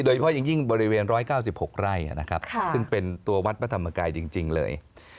โดยยิ่งบริเวณ๑๙๖ไร่ซึ่งเป็นตัววัดพระธรรมกายจริงเลย